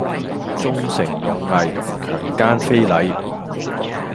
忠誠勇毅強姦非禮